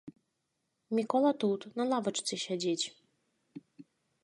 Мікола тут, на лавачцы сядзіць!